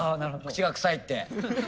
「口がくさい」って。